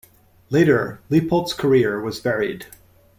Later Leipoldt's career was varied.